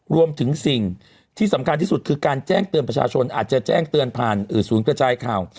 รวมถึงสิ่งที่สำคัญที่สุดคือการแจ้งเตือนประชาชนอาจจะแจ้งเตือนผ่านศูนย์กระจายข่าว